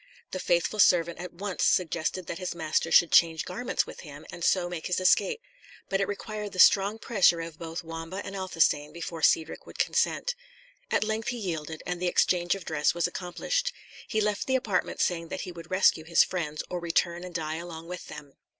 The faithful servant at once suggested that his master should change garments with him, and so make his escape. But it required the strong pressure of both Wamba and Athelstane before Cedric would consent. At length he yielded, and the exchange of dress was accomplished. He left the apartment saying that he would rescue his friends, or return and die along with them.